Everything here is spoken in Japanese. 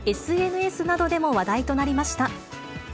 ＳＮＳなどでも話題となりました。